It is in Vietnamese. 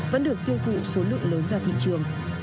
vẫn được tiêu thụ số lượng lớn ra thị trường